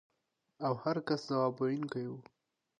او هر کس ځواب ویونکی وي.